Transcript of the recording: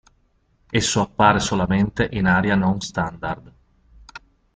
Esso appare solamente in aria non standard.